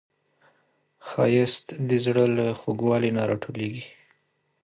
ښایست د زړه له خوږوالي نه راټوکېږي